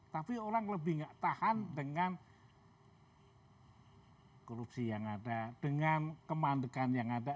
tapi orang lebih nggak tahan dengan korupsi yang ada dengan kemandekan yang ada